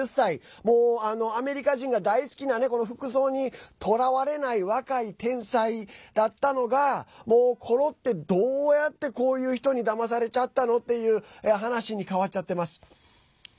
もうアメリカ人が大好きな服装にとらわれない若い天才だったのがもう、ころってどうやってこういう人にだまされちゃったの？っていう話に変わっちゃってます。